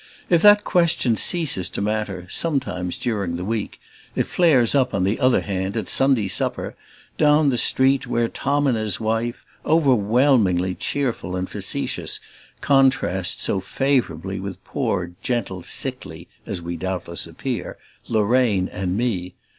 If that question ceases to matter, sometimes, during the week, it flares up, on the other hand, at Sunday supper, down the street, where Tom and his wife, overwhelmingly cheerful and facetious, contrast so favorably with poor gentle sickly (as we doubtless appear) Lorraine and me.